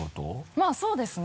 まぁそうですね。